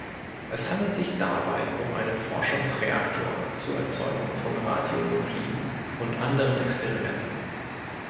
Es handelt sich dabei um einen Forschungsreaktor zur Erzeugung von Radionukliden und anderen Experimenten.